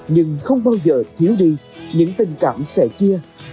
nhưng không bao giờ thiếu đi những tình cảm sẻ chia